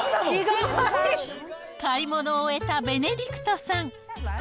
買い物を終えたベネディクトさん。